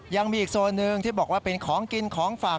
ยังมีอีกโซนหนึ่งที่บอกว่าเป็นของกินของฝาก